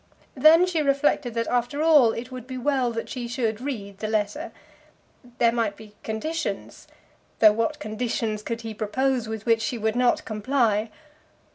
Then she reflected that after all it would be well that she should read the letter. There might be conditions; though what conditions could he propose with which she would not comply?